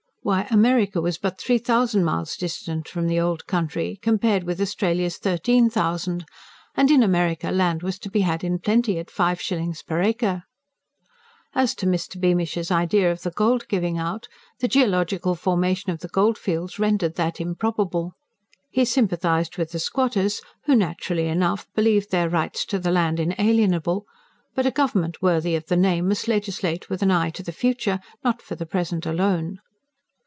Why, America was but three thousand miles distant from the old country, compared with Australia's thirteen thousand, and in America land was to be had in plenty at five shillings per acre. As to Mr. Beamish's idea of the gold giving out, the geological formation of the goldfields rendered that improbable. He sympathised with the squatters, who naturally enough believed their rights to the land inalienable; but a government worthy of the name must legislate with an eye to the future, not for the present alone.